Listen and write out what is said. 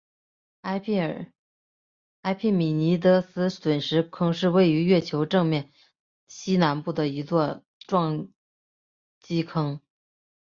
埃庇米尼得斯陨石坑是位于月球正面西南部的一座撞击坑。